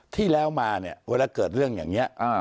ที่แล้วมาเนี่ยเวลาเกิดเรื่องอย่างนี้